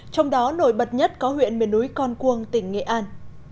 trong đó nổi bật nhất có huyện miền núi con cuông tỉnh nghệ an